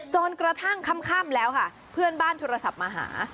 จนกระทั่งค่ำแล้วค่ะเพื่อนบ้านโทรศัพท์มาหา